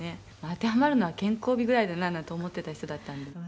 「当てはまるのは健康美ぐらいだななんて思ってた人だったので」